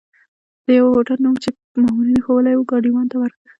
د یوه هوټل نوم مې چې مامورینو ښوولی وو، ګاډیوان ته ورکړ.